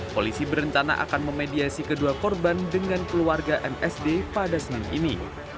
polisi berencana akan memediasi kedua korban dengan keluarga msd pada senin ini